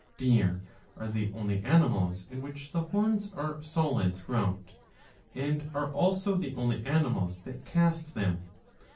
Deer are the only animals in which the horns are solid through out, and are also the only animals that cast them.